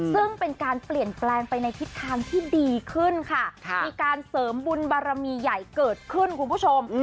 ซึ่งเป็นการเปลี่ยนแปลงไปในทิศทางที่ดีขึ้นค่ะมีการเสริมบุญบารมีใหญ่เกิดขึ้นคุณผู้ชม